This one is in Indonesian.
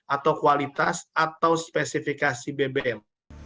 atau kualitas atau spesifikasi bbm